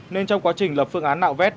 nên trong quá trình lập phương án nạo vét